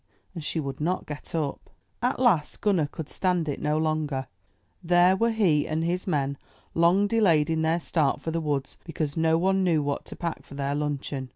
and she would not get up. At last Gunner could stand it no longer. There were he and his men long delayed in their start for the woods because no one knew what to pack for their luncheon.